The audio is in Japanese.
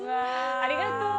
ありがとう。